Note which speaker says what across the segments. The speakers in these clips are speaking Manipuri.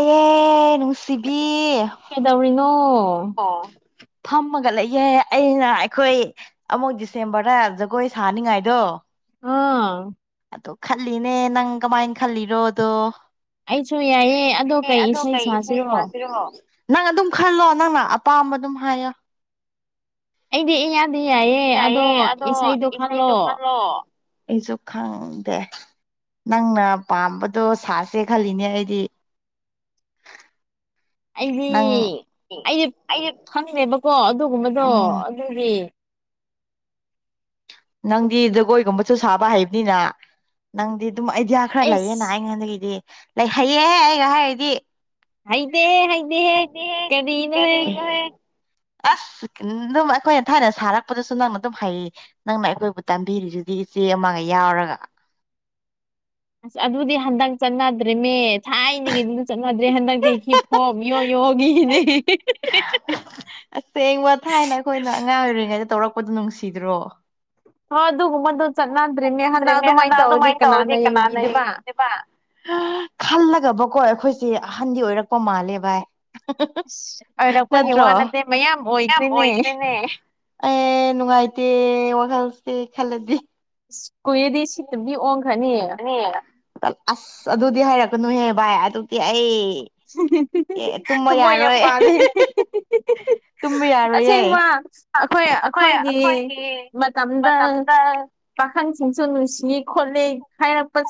Speaker 1: ꯑꯦ ꯅꯨꯡꯁꯤꯕꯤ ꯐꯝꯃꯒ ꯂꯩꯌꯦ ꯑꯩꯅ ꯑꯩꯈꯣꯏ ꯑꯃꯨꯛ ꯗꯤꯁꯦꯝꯕ꯭ꯔꯗ ꯖꯒꯣꯏ ꯁꯥꯅꯤꯡꯉꯥꯏꯗꯣ ꯑꯗꯣ ꯈꯜꯂꯤꯅꯦ ꯅꯪ ꯀꯃꯥꯏꯅ ꯈꯜꯂꯤꯔꯣꯗꯣ ꯑꯦ ꯑꯗꯣ ꯀꯩ ꯏꯁꯩ ꯁꯥꯁꯤꯔꯣ ꯅꯪ ꯑꯗꯨꯝ ꯈꯜꯂꯣ ꯅꯪꯅ ꯑꯄꯥꯝꯕ ꯑꯗꯨꯝ ꯍꯥꯏꯌꯣ
Speaker 2: ꯑꯩꯗꯤ ꯏꯌꯥꯗ ꯌꯥꯏꯌꯦ ꯑꯗꯣ ꯏꯁꯩꯗꯣ ꯈꯜꯂꯣ
Speaker 1: ꯑꯩꯁꯨ ꯈꯪꯗꯦ ꯅꯪꯅ ꯄꯥꯝꯕꯗꯣ ꯁꯥꯁꯦ ꯈꯜꯂꯤꯅꯦ ꯑꯩꯗꯤ
Speaker 2: [inaudible] ꯑꯩꯗꯤ ꯑꯩꯗꯤ ꯐꯪꯉꯦꯕꯀꯣ ꯑꯗꯨꯒꯨꯝꯕꯗꯣ ꯑꯗꯨꯒꯤ
Speaker 1: ꯅꯪꯗꯤ ꯖꯒꯣꯏꯒꯨꯝꯕꯁꯨ ꯁꯥꯕ ꯍꯥꯏꯕꯅꯤꯅ ꯅꯪꯗꯤ ꯑꯗꯨꯝ ꯑꯥꯏꯗꯤꯌꯥ ꯈꯔ ꯂꯩꯌꯦꯅ ꯑꯩꯉꯣꯟꯗꯒꯤꯗꯤ ꯂꯩ ꯍꯩꯌꯦꯍꯦ ꯑꯩꯒ ꯍꯥꯏꯔꯗꯤ
Speaker 2: ꯍꯩꯏꯗꯦ ꯍꯩꯏꯗꯦ ꯍꯦ ꯀꯔꯤꯅꯣꯍꯦ
Speaker 1: ꯑꯁ ꯑꯗꯨꯝ ꯑꯩꯈꯣꯏꯅ ꯊꯥꯏꯅ ꯁꯥꯔꯛꯄꯗꯁꯨ ꯅꯪꯅ ꯑꯗꯨꯝ ꯍꯩꯌꯦ ꯅꯪꯅ ꯑꯩꯈꯣꯏꯕꯨ ꯇꯝꯕꯤꯔꯤꯗꯨꯗꯤ ꯏꯆꯦ ꯑꯃꯒ ꯌꯥꯎꯔꯒ
Speaker 2: [inaudible] ꯑꯁ ꯑꯗꯨꯗꯤ ꯍꯟꯗꯛ ꯆꯠꯅꯗ꯭ꯔꯦꯃꯦ ꯊꯥꯏꯅꯒꯤ ꯑꯗꯨꯗꯤ ꯆꯠꯅꯗ꯭ꯔꯦ ꯍꯟꯗꯛꯇꯤ ꯍꯣꯝ ꯌꯣ ꯌꯣꯒꯤꯅꯦ
Speaker 1: ꯑꯁꯦꯡꯕ ꯊꯥꯏꯅ ꯑꯩꯈꯣꯏꯅ ꯑꯉꯥꯡ ꯑꯣꯏꯔꯤꯉꯩꯗ ꯇꯧꯔꯛꯄꯗꯨꯣ ꯅꯨꯡꯁꯤꯗ꯭ꯔꯣ
Speaker 2: ꯍꯣ ꯑꯗꯨꯕꯨ ꯃꯗꯨ ꯆꯠꯅꯗ꯭ꯔꯦꯃꯤ ꯍꯟꯗꯛ ꯑꯗꯨꯃꯥꯏ ꯇꯧꯔꯗꯤ ꯀꯅꯥ ꯌꯦꯡꯕꯤꯗꯣꯏꯕ
Speaker 1: ꯈꯜꯂꯒꯕꯀꯣ ꯑꯩꯈꯣꯏꯁꯦ ꯑꯍꯟꯗꯤ ꯑꯣꯏꯔꯛꯄ ꯃꯥꯜꯂꯦ ꯚꯥꯏ ꯅꯠꯇ꯭ꯔꯣ ꯀꯌꯥꯝ ꯑꯣꯏꯈ꯭ꯔꯦꯅꯦ ꯑꯦ ꯅꯨꯡꯉꯥꯏꯇꯦ ꯋꯥꯈꯜꯁꯦ ꯈꯜꯂꯗꯤ
Speaker 2: [unintelligible]
Speaker 1: ꯑꯁ ꯑꯗꯨꯗꯤ ꯍꯥꯏꯔꯛꯀꯅꯨꯍꯦ ꯚꯥꯏ ꯑꯗꯨꯗꯤ ꯑꯩ
Speaker 2: ꯊꯃꯣꯏ ꯌꯥꯝ ꯄꯥꯜꯂꯦ ꯑꯁꯦꯡꯕ ꯑꯩꯈꯣꯏ ꯑꯩꯈꯣꯏꯒꯤ ꯃꯇꯝꯗ ꯄꯥꯈꯪꯁꯤꯡꯁꯨ ꯅꯨꯡꯁꯤ ꯈꯣꯠꯂꯤ ꯍꯥꯏꯔꯛꯄ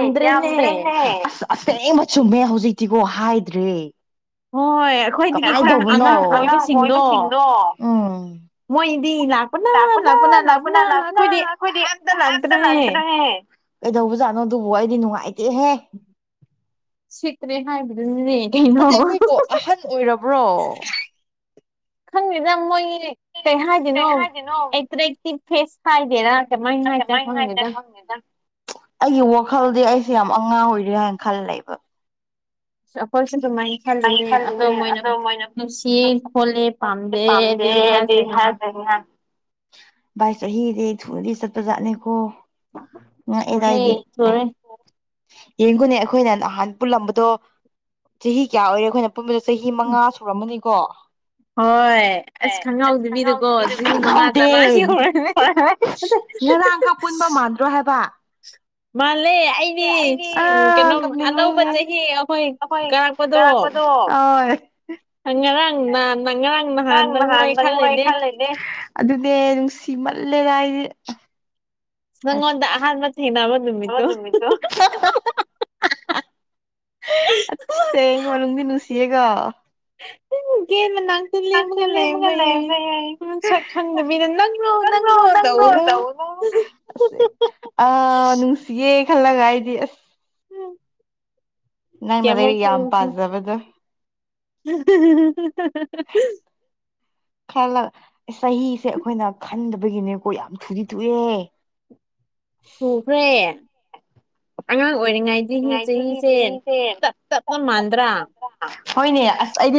Speaker 1: ꯑꯦ ꯌꯥꯝꯗ꯭ꯔꯦꯅꯦ ꯑꯁ ꯑꯁ ꯑꯁꯦꯡꯕ ꯆꯨꯝꯃꯦ ꯍꯧꯖꯤꯛꯇꯤꯀꯣ ꯍꯥꯏꯗ꯭ꯔꯦ ꯀꯃꯥꯏ ꯇꯧꯕꯅꯣ ꯑꯉꯥꯡ ꯀꯣꯏꯕꯁꯤꯡꯗꯣ ꯎꯝ [unintelligible] ꯀꯩꯗꯧꯕ ꯖꯥꯠꯅꯣ ꯑꯗꯨꯕꯨ ꯑꯩꯗꯤ ꯅꯨꯡꯉꯥꯏꯇꯦꯍꯦ
Speaker 2: ꯁꯤꯠꯇ꯭ꯔꯦ ꯍꯥꯏꯕꯗꯨꯅꯤꯅꯦ ꯀꯩꯅꯣ ꯈꯪꯗꯦꯗ ꯃꯣꯏꯒꯤ ꯀꯩ ꯍꯥꯏꯗꯣꯏꯅꯣ ꯑꯦꯇ꯭ꯔꯦꯛꯇꯤꯞ ꯐꯦꯁ ꯍꯥꯏꯒꯦꯔꯥ [unintelligible]
Speaker 1: ꯑꯩꯒꯤ ꯋꯥꯈꯜꯗꯤ ꯑꯩꯁꯦ ꯌꯥꯝ ꯑꯉꯥꯡ ꯑꯣꯏꯔꯤ ꯍꯥꯏꯅ ꯈꯜꯂꯩꯕ
Speaker 2: [unintelligible] ꯑꯗꯨꯃꯥꯏꯅ ꯈꯜꯂꯨꯅꯦ ꯑꯗꯣ ꯃꯣꯏꯅ ꯅꯨꯡꯁꯤꯌꯦ ꯈꯣꯠꯂꯦ ꯄꯥꯝꯗꯦ ꯑꯗꯨ ꯍꯥꯏꯁꯦ
Speaker 1: ꯚꯥꯏ ꯆꯍꯤꯗꯤ ꯊꯨꯅꯗꯤ ꯆꯠꯄ ꯖꯥꯠꯅꯦꯀꯣ ꯉꯛꯑꯦꯗ ꯑꯩꯗꯤ ꯌꯦꯡꯒꯨꯅꯦ ꯑꯩꯈꯣꯏꯅ ꯅꯍꯥꯟ ꯄꯨꯜꯂꯝꯕꯗꯣ ꯆꯍꯤ ꯀꯌꯥ ꯑꯣꯏꯔꯦ ꯑꯩꯈꯣꯏꯅ ꯄꯨꯟꯕꯗꯣ ꯆꯍꯤ ꯃꯉꯥ ꯁꯨꯔꯝꯃꯅꯤꯀꯣ ꯑꯦ ꯑꯁ ꯈꯪꯍꯧꯗꯦꯅꯦ ꯈꯪꯍꯧꯗꯦ ꯍꯣꯢ ꯍꯣꯢ ꯍꯍ ꯉꯔꯥꯡꯈꯛ ꯄꯨꯟꯕ ꯃꯥꯟꯗ꯭ꯔꯣ ꯍꯥꯏꯕ
Speaker 2: ꯃꯥ ꯂꯦ ꯑꯩꯗꯤ ꯀꯩꯅꯣꯝ ꯑꯅꯧꯕ ꯆꯍꯤ ꯑꯩꯈꯣꯏ ꯀꯔꯛꯄꯗꯣ
Speaker 1: ꯍꯣꯏ
Speaker 2: [inaudible]
Speaker 1: ꯉꯥꯔꯥꯡ ꯅꯥꯍꯥꯟ ꯗꯪ ꯑꯣꯏ ꯈꯜꯂꯤꯅꯦ ꯑꯗꯨꯅꯦ ꯅꯨꯡꯁꯤꯃꯜ ꯂꯦꯗ ꯑꯩꯗꯤ
Speaker 2: ꯅꯉꯣꯟꯗ ꯑꯍꯥꯟꯕ ꯊꯦꯡꯅꯕ
Speaker 1: ꯑꯗꯨ ꯅꯨꯃꯤꯠꯇꯣ ꯑꯠꯁꯦ [unintelligible] ꯅꯨꯡꯁꯤꯑꯦꯀꯣ
Speaker 2: [unintelligible] ꯑꯗꯨ ꯂꯤꯞꯂꯒ ꯂꯩꯕꯅꯦꯌꯦ ꯅꯥꯁꯛ ꯈꯪꯗꯕꯒꯤ ꯅꯪꯔꯣ ꯅꯪꯔꯣ ꯇꯧꯕꯗꯨ
Speaker 1: ꯑꯁꯦ ꯑꯥ ꯅꯨꯡꯁꯤꯌꯦ ꯈꯜꯂꯒ ꯑꯩꯗꯤ ꯑꯁ
Speaker 2: [inaudible]
Speaker 1: ꯅꯪꯅꯗꯤ ꯑꯩ ꯌꯥꯝ ꯄꯥꯖꯕꯗꯣ
Speaker 2: [inaudible] [unintelligible]
Speaker 1: ꯈꯜꯂꯣ ꯆꯍꯤꯁꯦ ꯑꯩꯈꯣꯏꯅ ꯈꯟꯗꯕꯒꯤꯅꯦꯀꯣ ꯌꯥꯝ ꯊꯨꯗꯤ ꯊꯨꯢꯑꯦꯍꯦ
Speaker 2: ꯁꯨꯈ꯭ꯔꯦ ꯑꯉꯥꯡ ꯑꯣꯏꯔꯤꯉꯩꯗꯗꯤ ꯆꯍꯤꯁꯦ ꯇꯞ ꯇꯞꯄ ꯃꯥꯟꯗ꯭ꯔꯥ
Speaker 1: ꯍꯣꯏꯅꯦ ꯑꯁ ꯑꯩꯗꯤ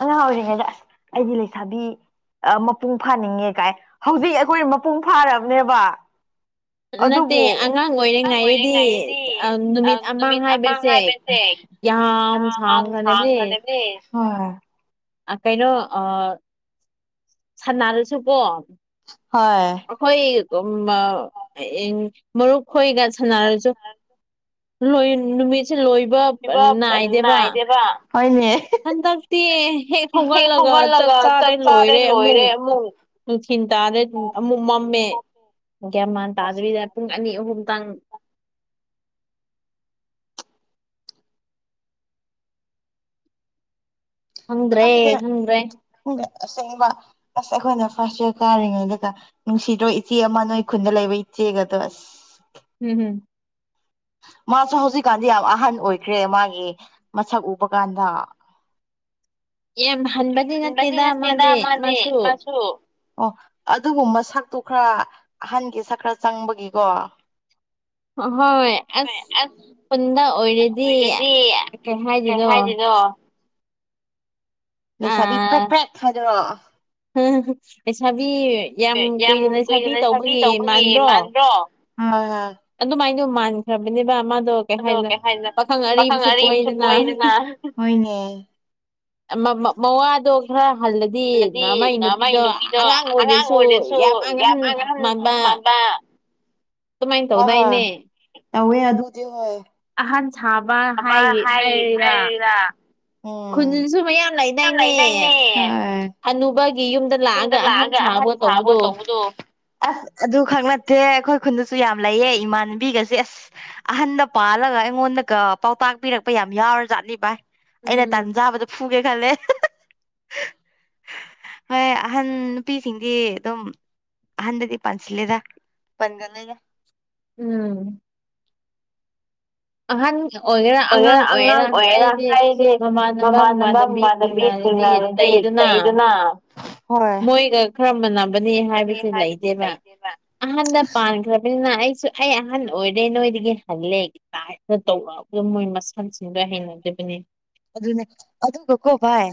Speaker 1: ꯑꯉꯥꯡ ꯑꯣꯏꯔꯤꯉꯩꯗ ꯑꯁ ꯑꯩꯗꯤ ꯂꯩꯁꯥꯕꯤ ꯑ ꯃꯄꯨꯡ ꯐꯥꯅꯤꯡꯉꯦ ꯀꯥꯏ ꯍꯧꯖꯤꯛ ꯑꯩꯈꯣꯏ ꯃꯄꯨꯡ ꯐꯥꯔꯕꯅꯦꯕ ꯑꯗꯨꯕꯨ ꯉꯥꯡ ꯑꯣꯏꯔꯤ ꯉꯩꯗꯗꯤ ꯅꯨꯃꯤꯠ ꯑꯃ ꯍꯥꯏꯕꯁꯦ ꯌꯥꯝ ꯁꯥꯡ ꯈ꯭ꯥꯔꯦꯅꯦ
Speaker 2: ꯀꯩꯅꯣ ꯁꯟꯅꯥ ꯔꯥꯁꯨꯀꯣ ꯑꯩꯈꯣꯏ ꯑꯨꯝ ꯑꯑ ꯑꯦ ꯃꯔꯨꯞ ꯍꯣꯏꯒ ꯁꯅꯔꯁꯨ ꯂꯣꯏ ꯅꯨꯃꯤꯠ ꯁꯤ ꯂꯣꯏꯕ ꯅꯥꯏꯗꯦꯕ
Speaker 1: ꯍꯣꯢꯅꯦ
Speaker 2: ꯍꯟꯗꯛꯇꯤ ꯍꯦꯛ ꯍꯧꯒꯠꯂꯒ ꯆꯥꯛ ꯆꯥꯔꯦ ꯂꯣꯏꯔꯦ ꯑꯃꯨꯛ ꯅꯨꯡꯊꯤꯜ ꯇꯥꯔꯦ ꯑꯃꯨꯛ ꯃꯝꯃꯦ ꯒ꯭ꯌꯥꯟꯃꯥꯟ ꯇꯥꯗꯔꯦꯗ ꯄꯨꯡ ꯑꯅꯤ ꯑꯍꯨꯝ ꯇꯪ ꯍꯪꯗ꯭ꯔꯦ ꯈꯪꯗ꯭ꯔꯦ
Speaker 1: ꯑꯁꯦꯡꯕ ꯑꯁ ꯑꯩꯈꯣꯏꯅ ꯐꯥꯔꯁ ꯌꯥꯔ ꯀꯥꯔꯤꯉꯩꯗꯒ ꯅꯨꯡꯁꯤꯗ꯭ꯔꯣ ꯏꯆꯦ ꯑꯃ ꯅꯣꯏ ꯈꯨꯟꯗ ꯂꯩꯕ ꯢꯆꯦ ꯒꯗꯣ ꯑꯁ
Speaker 2: ꯍꯨꯝ ꯍꯨꯝ
Speaker 1: ꯃꯥꯁꯨ ꯍꯧꯖꯤꯛꯀꯥꯟꯗꯤ ꯌꯥꯝ ꯑꯍꯟ ꯑꯣꯏꯈ꯭ꯔꯦ ꯃꯥꯒꯤ ꯃꯁꯛ ꯎꯕ ꯀꯥꯟꯗ
Speaker 2: ꯌꯥꯝ
Speaker 1: ꯍꯟꯕꯗꯤꯇꯠ ꯇꯦꯗ ꯃꯥꯗꯤ ꯃꯥꯁꯨ ꯑꯣ ꯑꯗꯨꯒꯨꯝꯕ ꯁꯛꯇꯨ ꯈꯔ ꯑꯍꯟꯒꯤ ꯁꯛ ꯈꯔ ꯆꯪꯕꯒꯤꯀꯣ
Speaker 2: ꯍꯣꯏ ꯑꯁ ꯈꯨꯟꯗ ꯑꯣꯏꯔꯗꯤ ꯀꯩ ꯍꯥꯏꯗꯣꯏꯅꯣ
Speaker 1: ꯂꯩꯁꯥꯕꯤ ꯄ꯭ꯔꯦꯛ ꯄ꯭ꯔꯦꯛ ꯍꯥꯏꯗꯣꯔꯣ
Speaker 2: ꯍꯝ ꯍꯝ ꯂꯩꯁꯥꯕꯤ
Speaker 1: ꯌꯥꯝ ꯀꯨꯏꯅ ꯂꯩꯁꯥꯕꯤ ꯇꯧꯕꯒꯤ ꯃꯥꯟꯕ꯭ꯔꯣ
Speaker 2: ꯑꯗꯨꯃꯥꯏꯅꯣ ꯃꯥꯟꯈ꯭ꯔꯕꯅꯦꯕ ꯗꯣ ꯀꯩ ꯍꯥꯏꯅ ꯄꯥꯈꯪ ꯑꯔꯤꯕꯁꯨ ꯀꯣꯏꯗꯅ ꯃ ꯃ ꯃꯧꯋꯥꯗꯣ ꯈꯔꯥ ꯍꯜꯂꯗꯤ ꯅꯃꯥꯢ ꯅꯨꯄꯤꯗꯣ ꯑꯉꯥꯡ ꯑꯣꯏꯔꯁꯨ ꯌꯥꯝ ꯑꯉꯥꯡ ꯃꯥꯟꯕ [unintelligible] ꯑꯗꯨꯃꯥꯏ ꯇꯧꯗꯥꯏꯅꯦ
Speaker 1: ꯇꯧ ꯋꯦ ꯑꯗꯨꯗꯤ ꯍꯣꯏ ꯑꯕ ꯍꯥꯏ ꯍꯥꯏꯔꯦꯔꯥ ꯎꯝ ꯌꯥꯝ ꯂꯩꯗꯥꯏꯅꯦ ꯍꯥꯏ ꯌꯨꯝꯗ ꯂꯥꯛꯑꯒ ꯑꯍꯟ ꯁꯥꯕ ꯇꯧꯕꯗꯣ ꯑꯁ ꯑꯗꯨ ꯈꯛ ꯅꯠꯇꯦ ꯑꯩꯈꯣꯏ ꯈꯨꯟꯗꯁꯨ ꯌꯥꯝ ꯂꯩꯌꯦ ꯏꯃꯥꯟꯅꯕꯤꯒꯁꯦ ꯑꯁ ꯑꯍꯟꯗ ꯄꯥꯜꯂꯒ ꯑꯩꯉꯣꯟꯗꯒ ꯄꯥꯎꯇꯥꯛ ꯄꯤꯔꯛꯄ ꯌꯥꯝ ꯌꯥꯎꯔ ꯖꯥꯠꯅꯤ ꯚꯥꯏ ꯑꯩꯅ ꯇꯥꯟꯖꯥꯕꯗ ꯐꯨꯒꯦ ꯈꯜꯂꯦ ꯍꯣꯏ ꯑꯍꯟ ꯅꯨꯄꯤꯁꯤꯡꯗꯤ ꯑꯗꯨꯝ ꯑꯍꯟꯗꯗꯤ ꯄꯥꯟꯁꯤꯜ ꯂꯦꯗ ꯄꯟꯒꯅꯨꯅꯦ
Speaker 2: ꯎꯝ ꯑꯍꯥꯟ ꯑꯣꯏꯒꯦꯔꯥ ꯑꯉꯥꯡ ꯑꯣꯏꯒꯦꯔꯥ ꯍꯥꯏꯗꯤ ꯃꯃꯥꯟꯅꯕ ꯃꯃꯥꯟꯅꯕꯤ ꯇꯤꯟꯅꯔꯗꯤ ꯇꯩ
Speaker 1: ꯇꯩꯗꯅ
Speaker 2: ꯃꯣꯏꯒ ꯈꯔ ꯃꯥꯟꯅꯕꯅꯦ ꯍꯥꯏꯕꯁꯦ ꯂꯩꯇꯦꯕ ꯑꯍꯟꯗ ꯄꯥꯟꯈ꯭ꯔꯕꯅꯤꯅ ꯑꯩ ꯁꯨ ꯑꯩ ꯑꯍꯟ ꯑꯣꯏꯔꯦ ꯅꯣꯏꯗꯒꯤ ꯍꯜꯂꯦ ꯇꯥꯏꯅ ꯇꯧꯔꯛꯄ ꯃꯣꯏ ꯃꯥꯁꯝꯁꯤꯡꯗꯣ ꯍꯩꯅꯗꯦ ꯑꯗꯨꯅꯤ
Speaker 1: ꯑꯗꯨꯅꯦ ꯑꯗꯨꯒ ꯀꯣ ꯚꯥꯢ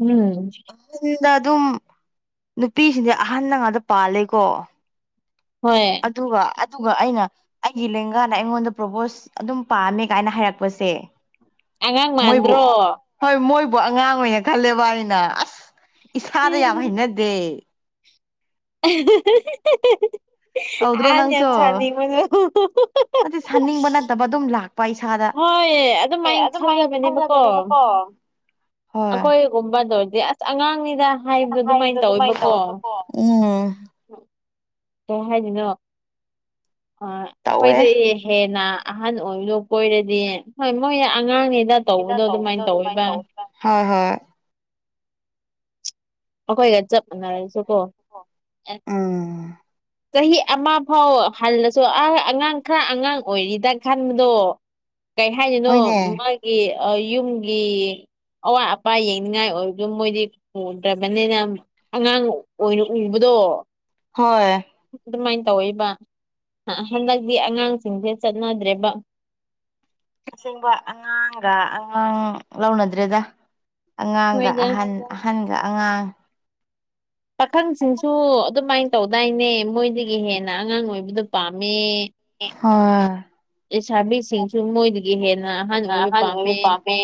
Speaker 2: ꯎꯝ
Speaker 1: ꯅ ꯑꯗꯨꯝ ꯅꯨꯄꯤꯁꯤꯗꯤ ꯑꯍꯟꯅ ꯉꯥꯛꯇ ꯄꯥꯜ ꯂꯦꯀꯣ ꯑꯗꯨꯒ ꯑꯗꯨꯒ ꯑꯩꯅ ꯑꯩꯒꯤ ꯂꯦꯡꯒꯥꯅ ꯑꯩꯉꯣꯟꯗ ꯄ꯭ꯔꯣꯄꯣꯁ ꯑꯗꯨꯝ ꯄꯥꯝꯃꯦ ꯀꯥꯏꯅ ꯍꯥꯏꯔꯛꯄꯁꯦ ꯃꯣꯏꯕꯨ ꯍꯣꯏ ꯃꯣꯏꯕꯨ ꯕꯨ ꯑꯉꯥꯡ ꯑꯣꯏꯅ ꯈꯜꯂꯦꯕꯥ ꯑꯩꯅ ꯑꯁ ꯏꯁꯥꯗ ꯌꯥꯝ ꯍꯩꯅꯗꯦ
Speaker 2: [unintelligible] ꯑꯥꯍꯟ ꯌꯥꯝ ꯁꯥꯅꯤꯡꯕꯗꯣ ꯍꯣꯏ ꯑꯗꯨꯃꯥꯏꯅ ꯈꯜꯂꯒ ꯅꯦꯕꯀꯣ ꯑꯈꯣꯏꯒꯨꯝꯕꯗ ꯗꯣꯏꯗꯤ ꯑꯁ ꯑꯉꯥꯡꯅꯤꯗ ꯍꯥꯏꯕ ꯑꯗꯨꯃꯥꯏꯅ ꯇꯧꯋꯦꯕꯀꯣ ꯀꯩ ꯍꯥꯏꯗꯣꯏꯅꯣ ꯑꯩꯈꯣꯏꯗꯩ ꯍꯦꯟꯅ ꯑꯍꯟ ꯑꯣꯏꯕꯗꯣ ꯀꯣꯏꯔꯗꯤ ꯍꯣꯏ ꯃꯣꯏ ꯑꯉꯥꯡꯅꯦꯗ ꯇꯧꯕꯗꯣ ꯑꯗꯨꯃꯥꯏꯅ ꯇꯧꯋꯦꯕ ꯑꯈꯣꯏꯒ ꯆꯞ ꯃꯥꯟꯅꯔꯁꯨ ꯀꯣ ꯆꯍꯤ ꯑꯃ ꯐꯥꯎ ꯍꯜꯂꯁꯨ ꯑ ꯑꯉꯥꯡ ꯈꯔ ꯑꯉꯥꯡ ꯑꯣꯏꯔꯤꯗ ꯈꯟꯕꯗꯣ ꯀꯩ ꯍꯥꯏꯗꯣꯏꯅꯣ ꯃꯥꯒꯤ ꯌꯨꯝꯒꯤ ꯑꯋꯥꯠ ꯑꯄꯥ ꯌꯦꯡꯅꯤꯡꯉꯥꯏ ꯑꯣꯏꯕꯗꯣ ꯃꯣꯏꯗꯤ ꯐꯣꯟ ꯄ꯭ꯔꯕꯅꯤꯅ ꯑꯉꯥꯡ ꯑꯣꯏꯅ ꯎꯕꯗꯣ
Speaker 1: ꯍꯣꯏ
Speaker 2: ꯇꯧꯌꯦꯕ ꯍꯟꯗꯛꯇꯤ ꯑꯉꯥꯡꯁꯤꯡꯁꯦ ꯆꯠꯅꯗ꯭ꯔꯦꯕ
Speaker 1: ꯑꯁꯦꯡꯕ ꯑꯉꯥꯡꯒ ꯑꯉꯥꯡ ꯂꯧꯅꯗ꯭ꯔꯦꯗ ꯑꯉꯥꯡꯒ ꯑꯍꯟ ꯑꯍꯟꯒ ꯑꯉꯥꯡ
Speaker 2: ꯄꯥꯈꯪꯁꯤꯡꯁꯨ ꯑꯗꯨꯃꯥꯏꯅ ꯇꯧꯗꯥꯏꯅꯦ ꯃꯣꯏꯗꯒꯤ ꯍꯦꯟꯅ ꯑꯉꯥꯡ ꯑꯣꯏꯕꯗꯨ ꯄꯥꯝꯃꯦ
Speaker 1: ꯍ [unintelligible] ꯈ ꯑꯍꯟ ꯑꯣꯏꯕ ꯄꯥꯝꯃꯦ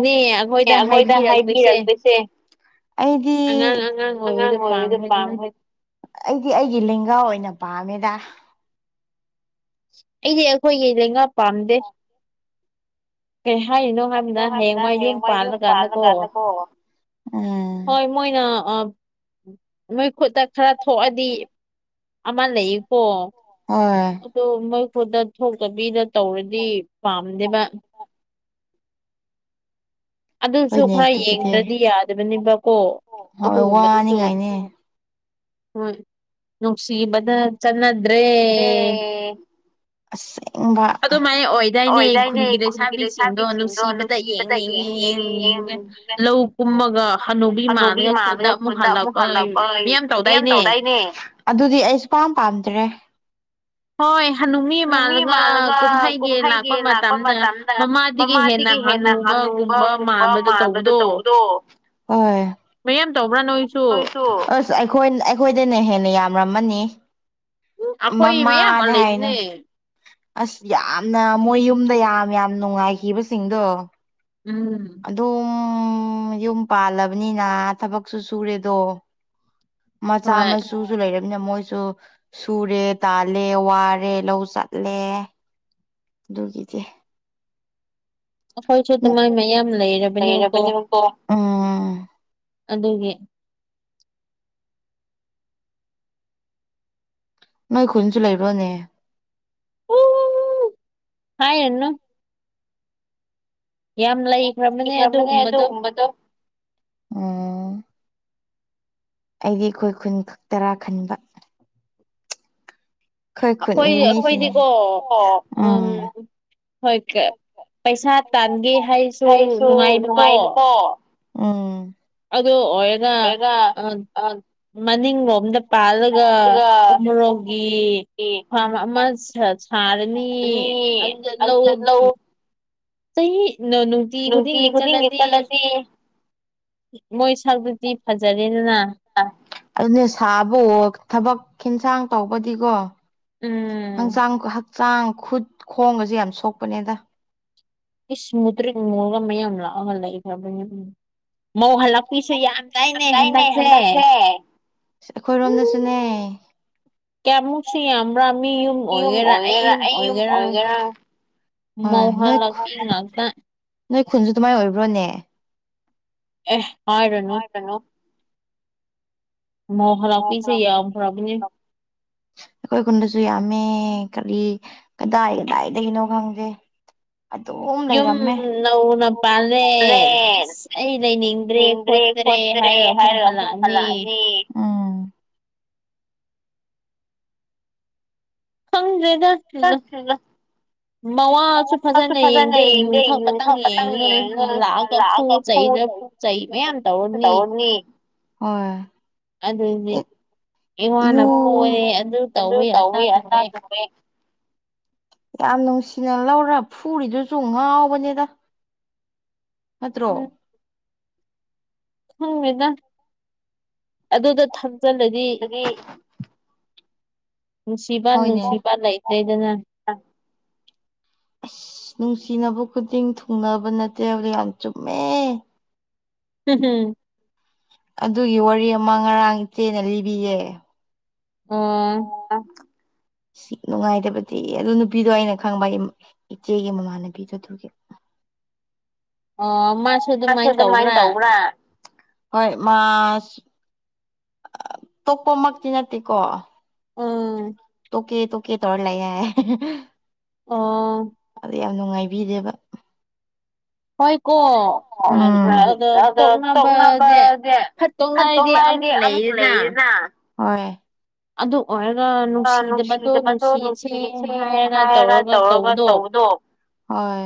Speaker 1: ꯑꯗꯨꯒꯤꯅꯦ ꯑꯩꯈꯣꯏꯗ ꯍꯥꯏꯕꯤꯔꯛꯇ꯭ꯔꯤꯁꯦ ꯑꯩꯗꯤ ꯑꯉꯥꯡ ꯑꯣꯏꯕꯗ ꯄꯥꯝ ꯍꯣꯏ ꯑꯩꯗꯤ ꯑꯩꯒꯤ ꯂꯦꯡꯒꯥꯥ ꯑꯣꯏꯅ ꯄꯥꯝꯃꯦꯗ
Speaker 2: ꯑꯩꯗꯤ ꯑꯩꯈꯣꯏꯒꯤ ꯂꯦꯡꯉꯥ ꯄꯥꯝꯗꯦ ꯀꯩ ꯍꯥꯏꯔꯤꯅꯣ ꯍꯥꯏꯕꯅ ꯍꯌꯦꯡꯋꯥ ꯌꯨꯝ ꯄꯥꯜꯂꯀꯥꯟꯗꯀꯣ ꯍꯣꯏ ꯃꯣꯏꯅ ꯑ ꯃꯣꯏ ꯈꯨꯠꯇ ꯈꯔ ꯊꯣꯛꯑꯗꯤ ꯑꯃ ꯂꯩꯌꯦꯀꯣ ꯑꯗꯣ ꯃꯣꯏ ꯈꯨꯠꯇ ꯊꯣꯛꯇꯕꯤꯗ ꯇꯧꯔꯗꯤ ꯄꯥꯝꯗꯦꯕ ꯑꯗꯨꯁꯨ ꯈꯔ ꯌꯦꯡꯗ꯭ꯔꯗꯤ ꯌꯥꯗꯕꯅꯦꯕꯀꯣ ꯑꯗꯨꯒꯨꯝꯕꯗꯨꯁꯨ ꯍꯣꯏ ꯅꯨꯡꯁꯤꯕꯗ ꯆꯟꯅꯗ꯭ꯔꯦ
Speaker 1: ꯑꯁ ꯑꯣꯏꯗꯥꯏꯅꯦ ꯈꯨꯟꯒꯤ ꯂꯩꯁꯥꯕꯤꯁꯤꯡꯗꯣ ꯅꯨꯡꯁꯤꯕꯗ ꯌꯦꯡ ꯌꯦꯡꯉꯦ ꯂꯧ ꯀꯨꯝꯃꯒ ꯑꯅꯧꯕꯤ ꯃꯥꯜꯂꯒ ꯈꯨꯟꯗ ꯑꯃꯨꯛ ꯍꯜꯂꯛꯄ ꯃꯤꯌꯥꯝ ꯇꯧꯗꯥꯏꯅꯦ ꯑꯗꯨꯗꯤ ꯑꯩ ꯁꯨꯄꯥꯝ ꯄꯥꯝꯗ꯭ꯔꯦ
Speaker 2: ꯍꯣꯏ ꯍꯅꯨꯃꯤ ꯃꯥꯜꯂꯒ ꯀꯨꯝꯍꯩꯒꯤ ꯂꯥꯛꯄ ꯃꯇꯝꯗ ꯃꯃꯥꯗꯒꯤ ꯍꯦꯟꯅ ꯍꯅꯨꯕ
Speaker 1: ꯅꯨꯕꯒꯨꯝꯕ ꯃꯥꯟꯕꯗꯣ ꯇꯧꯕꯗꯣ ꯑꯣꯏ ꯑꯁ ꯑꯩꯈꯣꯏ ꯑꯩꯈꯣꯏꯗꯅ ꯍꯦꯟꯅ ꯌꯥꯝꯔꯝꯃꯅꯤ ꯃꯃꯥꯗꯤ ꯍꯥꯏꯅꯨ ꯑꯁ ꯌꯥꯝꯅ ꯃꯣꯏ ꯌꯨꯝꯗ ꯌꯥꯝ ꯌꯥꯝ ꯅꯨꯡꯉꯥꯏꯈꯤꯕꯁꯤꯡꯗꯣ
Speaker 2: ꯎꯝ
Speaker 1: ꯎꯝ ꯌꯨꯝ ꯄꯥꯜꯂꯕꯅꯤꯅ ꯊꯕꯛꯁꯨ ꯁꯨꯔꯦꯗꯣ ꯃꯆꯥ ꯃꯥꯁꯨꯖꯨ ꯂꯩꯔꯦ ꯑꯗꯨꯅ ꯃꯣꯏꯁꯨ ꯁꯨꯔꯦ ꯇꯥꯜꯂꯦ ꯋꯥꯔꯦ ꯂꯧ ꯆꯠꯂꯦ ꯗꯨꯒꯤꯗꯤ
Speaker 2: ꯑꯩꯈꯣꯏꯁꯨ ꯑꯗꯨꯃꯥꯏ ꯃꯌꯥꯝ ꯂꯩꯔꯕꯅꯦꯕꯀꯣ ꯑꯗꯨꯒꯤ
Speaker 1: ꯅꯣꯏ ꯈꯨꯟꯁꯨ ꯂꯩꯕ꯭ꯔꯣꯅꯦ
Speaker 2: ꯍꯥꯏꯔꯅꯨ ꯌꯥꯝ ꯂꯩꯈ꯭ꯔꯕꯅꯦ ꯑꯗꯨꯒꯨꯝꯕꯗꯣ
Speaker 1: ꯑꯩꯗꯤ ꯑꯩꯈꯣꯏ ꯈꯨꯟ ꯈꯛꯇꯔꯥ ꯈꯟꯕ
Speaker 2: ꯑꯩꯈꯣꯏ ꯑꯩꯈꯣꯏꯗꯤꯀꯣ ꯎꯝ ꯍꯣꯏ ꯀ ꯄꯩꯁꯥ ꯇꯥꯟꯒꯦ ꯍꯥꯏꯁꯨ ꯅꯨꯡꯉꯥꯏꯕꯀꯣ
Speaker 1: ꯎꯝ
Speaker 2: ꯑꯗꯨ ꯑꯣꯏꯔꯒ ꯑꯥ ꯃꯅꯤꯡ ꯑ ꯄꯥꯂꯒ ꯎꯃꯣꯔꯣꯛꯒꯤ ꯐꯔꯃ ꯑꯃ ꯁꯥ ꯁꯥꯔꯅꯤ ꯑꯗꯨ ꯂꯧ ꯆꯍꯤ ꯅꯪ ꯅꯨꯡꯇꯤ ꯈꯨꯗꯤꯡꯒꯤ ꯆꯠꯂꯗꯤ
Speaker 1: [inaudible] ꯑꯗꯨꯅꯦ ꯁꯥꯕꯨ ꯊꯕꯛ ꯈꯤꯟꯁꯥꯡ ꯇꯧꯕꯗꯤꯀꯣ ꯍꯪꯁꯥꯡ ꯍꯛ ꯆꯥꯡ ꯈꯨꯠ ꯈꯣꯡꯒꯁꯦ ꯌꯥꯝ ꯁꯣꯛꯄꯅꯦꯗ
Speaker 2: ꯏꯁ ꯃꯨꯇ꯭ꯔꯤꯛ ꯃꯨꯕ ꯃꯌꯥꯝ ꯂꯥꯛꯑꯒ ꯂꯩꯈ꯭ꯔꯕꯅꯤ ꯃꯧ ꯍꯜꯂꯛꯄꯤꯁꯨ ꯌꯥ ꯇꯥꯏꯅꯦ ꯍꯟꯇꯛꯁꯦ
Speaker 1: ꯑꯩꯈꯣꯏꯔꯣꯝꯗꯁꯨꯅꯦ
Speaker 2: ꯀꯌꯥꯃꯨꯛꯁꯨ ꯌꯥꯝꯕ꯭ꯔꯥ ꯃꯤ ꯌꯨꯝ ꯑꯣꯏꯒꯦꯔꯥ ꯑꯩ ꯌꯨꯝ ꯑꯣꯏꯒꯦꯔꯥ ꯃꯎ ꯍꯥꯂꯛꯄꯤ ꯉꯥꯛꯇꯥ
Speaker 1: ꯅꯣꯏ ꯈꯨꯟꯁꯨ ꯑꯗꯨꯃꯥꯏꯅ ꯑꯣꯏꯕ꯭ꯔꯣꯅꯦ
Speaker 2: ꯑꯦ ꯍꯥꯏꯔꯨꯅꯨ ꯃꯎ ꯍꯜꯂꯛꯄꯤꯁꯦ ꯌꯥꯝꯈ꯭ꯔꯕꯅꯦ
Speaker 1: ꯑꯩꯈꯣꯏ ꯈꯨꯟꯗꯁꯨ ꯌꯥꯝꯃꯦ ꯀꯔꯤ ꯀꯗꯥꯏ ꯀꯗꯥꯏꯗꯒꯤꯅꯣ ꯈꯪꯗꯦ
Speaker 2: ꯌꯨꯝ ꯅꯧꯅ ꯄꯥꯜꯂꯦ ꯑꯁ ꯑꯩ ꯂꯩꯅꯤꯡꯗ꯭ꯔꯦ ꯈꯣꯠꯇ꯭ꯔꯦ ꯍꯥꯏꯔꯒ ꯑꯃꯨꯛ ꯍꯜꯂꯛꯑꯅꯤ ꯈꯪꯗ꯭ꯔꯦꯗ ꯀꯩꯅꯣ ꯃꯋꯥꯁꯨ ꯐꯖꯅ ꯌꯦꯡꯗꯦ ꯌꯨ ꯊꯛꯄ ꯇꯪ ꯌꯦꯡꯉ ꯂꯥꯛꯑꯒ ꯐꯨ ꯆꯩ ꯁꯤꯗ ꯐꯨ ꯆꯩ ꯃꯌꯥꯝ ꯇꯧꯔꯝꯅꯤ
Speaker 1: ꯍꯣꯏ
Speaker 2: ꯑꯗꯨꯅꯦ ꯏꯋꯥꯅ ꯐꯨꯋꯦ ꯑꯗꯨ ꯇꯧꯋꯦ ꯑꯗꯥ
Speaker 1: ꯇꯧꯋꯦ ꯌꯥꯝ ꯅꯨꯡꯁꯤꯅ ꯂꯧꯔ ꯐꯨꯔꯤꯗꯨꯁꯨ ꯉꯥꯎꯕꯅꯦꯗ ꯅꯠ꯭ꯇꯔꯣ
Speaker 2: ꯈꯪꯗꯦꯗ ꯑꯗꯨꯗ ꯊꯝꯖꯤꯜꯂꯗꯤ ꯅꯨꯡꯁꯤꯕ ꯅꯨꯡꯁꯤꯕ ꯂꯩꯇ꯭ꯔꯦꯗꯅ [inaudible]
Speaker 1: ꯑꯁ ꯅꯨꯡꯁꯤꯅꯕ ꯈꯨꯗꯤꯡ ꯊꯨꯡꯅꯕ ꯅꯠꯇꯦ ꯍꯥꯏꯕꯗꯣ ꯌꯥꯝ ꯆꯨꯝꯃꯦ
Speaker 2: ꯍꯨꯝ ꯍꯨꯝ
Speaker 1: ꯑꯗꯨꯒꯤ ꯋꯥꯔꯤ ꯑꯃ ꯉꯔꯥꯡ ꯏꯆꯦꯅ ꯂꯤꯕꯤꯌꯦ
Speaker 2: ꯑꯣ
Speaker 1: ꯅꯨꯡꯉꯥꯏꯇꯕꯗꯤ ꯑꯗꯨ ꯅꯨꯄꯤꯗꯣ ꯑꯩꯅ ꯈꯪꯕ ꯑꯩ ꯏꯆꯦꯒꯤ ꯃꯃꯥꯟꯅꯕꯤꯗꯣ ꯑꯗꯨꯒꯤ
Speaker 2: [inaudible] ꯑꯣ
Speaker 1: ꯃꯥꯁꯨ ꯑꯗꯨꯃꯥꯏꯅ ꯇꯧꯕ꯭ꯔꯥ ꯍꯣꯏ ꯃꯥꯁ ꯇꯣꯛꯄꯃꯛꯇꯤ ꯅꯠꯇꯦꯀꯣ ꯇꯧꯀꯦ ꯇꯧꯀꯦ ꯇꯧꯔ ꯂꯩꯑꯦ ꯍꯥꯏꯑꯦ ꯍꯦ ꯍꯦ
Speaker 2: ꯑꯣ
Speaker 1: ꯅꯨꯡꯉꯥꯏꯕꯤꯗꯦꯕ
Speaker 2: [inaudible] ꯍꯣꯏꯀꯣ ꯑꯥ ꯑꯗꯣ ꯇꯣꯛꯅꯔꯖꯦ ꯐꯠ ꯇꯣꯛꯅꯔꯗꯤ ꯑꯃꯨꯛ
Speaker 1: ꯑꯃꯨꯛ ꯂꯩꯔꯦꯅ ꯍꯣꯏ ꯅꯨꯡꯁꯤꯗꯕꯗꯣ ꯅꯨꯡꯁꯤꯁꯦ ꯍꯥꯏꯔꯒ ꯇꯧꯔꯒ ꯇꯧꯕꯗꯣ ꯍꯣꯏ